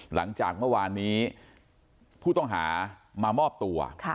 หลังจากเมื่อวานนี้ผู้ต้องหามามอบตัว